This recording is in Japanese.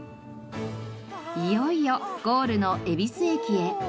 いよいよゴールの恵比寿駅へ。